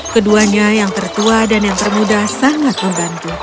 keduanya yang tertua dan yang termuda sangat membantu